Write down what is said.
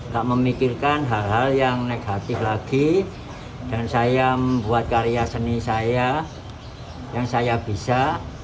tak memikirkan hal hal yang negatif lagi dan saya membuat karya seni saya yang saya bisa